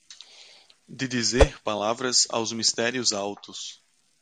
de dizer palavras aos mistérios altos